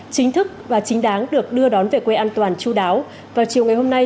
chính thức và chính đáng được đưa đón về quê an toàn chú đáo vào chiều ngày hôm nay